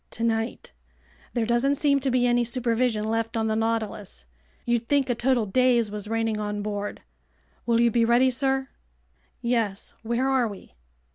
"Tonight. There doesn't seem to be any supervision left on the Nautilus. You'd think a total daze was reigning on board. Will you be ready, sir?" "Yes. Where are we?"